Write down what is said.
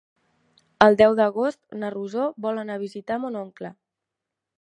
El deu d'agost na Rosó vol anar a visitar mon oncle.